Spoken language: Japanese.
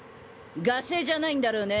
ガセじゃないんだろうね？